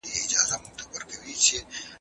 یو کس په فقیره سیمه کي اوسېږي.